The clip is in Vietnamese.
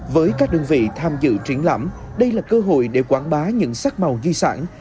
với các đơn vị tham dự triển lãm đây là cơ hội để quảng bá những sắc màu di sản